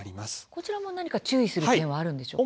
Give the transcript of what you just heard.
こちらも注意すべき点はあるんでしょうか。